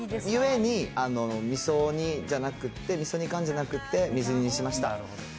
ゆえにみそ煮じゃなくって、みそ煮缶じゃなくて水煮にしました。